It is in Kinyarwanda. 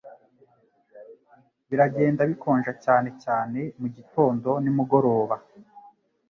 Biragenda bikonja cyane cyane mugitondo nimugoroba